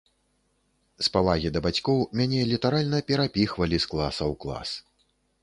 З павагі да бацькоў мяне літаральна перапіхвалі з класа ў клас.